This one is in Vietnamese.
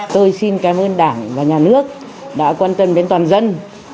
tôi xin cảm ơn đảng và nhà nước đã quan tâm đến toàn dân